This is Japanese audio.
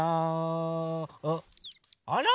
あら！